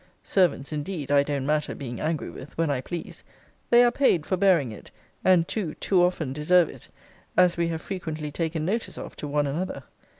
Servants, indeed, I don't matter being angry with, when I please; they are paid for bearing it, and too too often deserve it; as we have frequently taken notice of to one another.